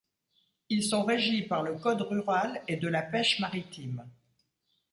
Ils sont régis par le code rural et de la pêche maritime.